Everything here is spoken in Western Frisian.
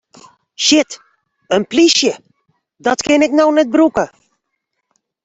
Shit, in plysje, dat kin ik no net brûke!